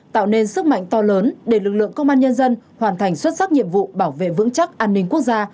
tạo nên sức mạnh to lớn để lực lượng công an nhân dân hoàn thành xuất sắc nhiệm vụ bảo vệ vững chắc an ninh quốc gia